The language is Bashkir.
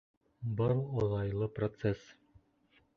— Был оҙайлы процесс.